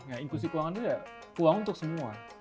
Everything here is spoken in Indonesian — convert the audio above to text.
nah inklusi keuangan itu ya uang untuk semua